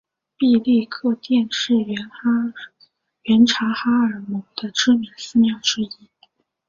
毕力克庙是原察哈尔盟的知名寺庙之一。